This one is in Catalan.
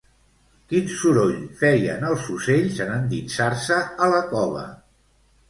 Quin soroll feien, els ocells, en endinsar-se a la cova?